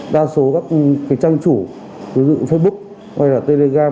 đa số các trang chủ ví dụ facebook hay là telegram